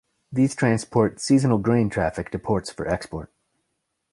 These transport seasonal grain traffic to ports for export.